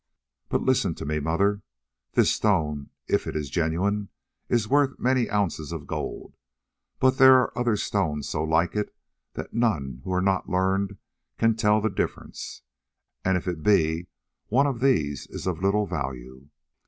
But listen to me, mother. This stone, if it is genuine, is worth many ounces of gold, but there are other stones so like it that none who are not learned can tell the difference, and if it be one of these it is of little value.